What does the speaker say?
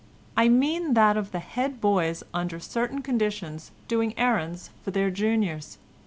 I mean that of the head boys under certain conditions doing errands for their juniors.